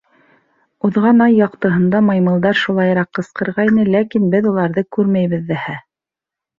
— Уҙған ай яҡтыһында маймылдар шулайыраҡ ҡысҡырғайны, ләкин беҙ уларҙы күрмәйбеҙ ҙәһә.